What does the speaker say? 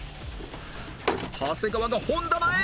長谷川が本棚へ！